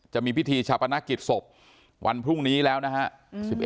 จะมีพิธีชาปนกิจศพวันพรุ่งนี้แล้วนะฮะ